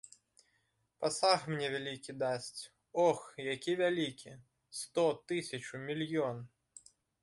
Пасаг мне вялікі дасць, ох, які вялікі!—сто, тысячу, мільён.